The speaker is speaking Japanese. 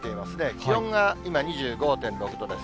気温が今２５．６度です。